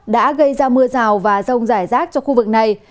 đã gây ra mưa rào và rông rải rác cho khu vực này